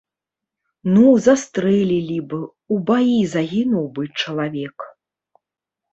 Ну, застрэлілі б, у баі загінуў бы чалавек.